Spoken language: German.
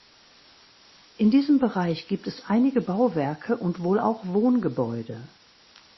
In diesem Bereich gibt es einige Bauwerke und wohl auch Wohngebäude.